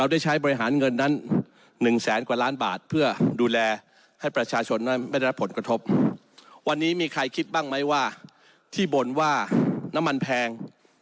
วันนี้มีใครคิดบ้างไหมว่าที่บ่นว่าน้ำมันแพง